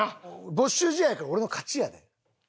没収試合やから俺の勝ちやで？